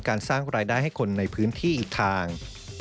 สร้างรายได้ให้คนในพื้นที่อีกทาง